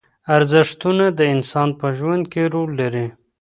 ارزښتونه د انسان په ژوند کې رول لري.